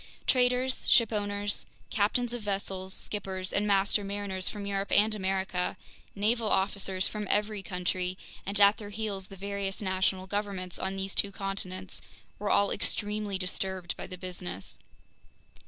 Traders, shipowners, captains of vessels, skippers, and master mariners from Europe and America, naval officers from every country, and at their heels the various national governments on these two continents, were all extremely disturbed by the business.